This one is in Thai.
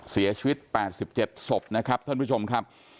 เสียชีวิต๘๗ศพนะครับท่านผู้ชมครับ